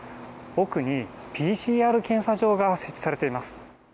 奥にＰＣＲ検査場が設置されています。